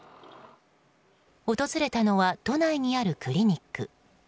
訪れたのは都内にあるクリニック。